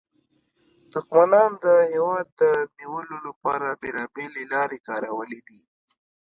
دښمنانو د هېواد د نیولو لپاره بیلابیلې لارې کارولې دي